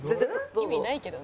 「意味ないけどね」